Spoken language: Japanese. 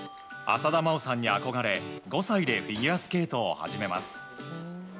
浅田真央さんに憧れ５歳でフィギュアスケートを始めます。